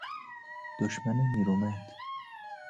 دشمن نیرومند